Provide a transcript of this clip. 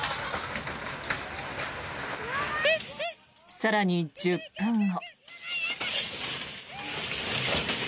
更に１０分後。